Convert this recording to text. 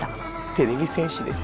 てれび戦士です。